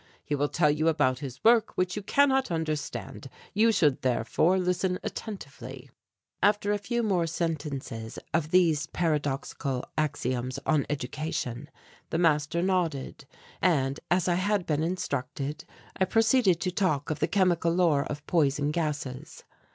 He will tell you about his work which you cannot understand you should therefore listen attentively." After a few more sentences of these paradoxical axioms on education, the master nodded, and, as I had been instructed, I proceeded to talk of the chemical lore of poison gases.